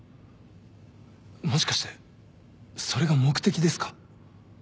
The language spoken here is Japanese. もしかしてそれが目的ですか？